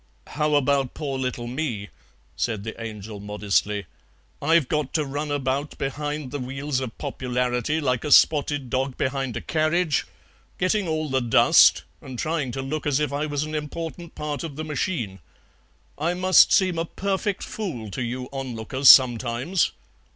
"How about poor little me?" said the Angel modestly. "I've got to run about behind the wheels of popularity, like a spotted dog behind a carriage, getting all the dust and trying to look as if I was an important part of the machine. I must seem a perfect fool to you onlookers sometimes."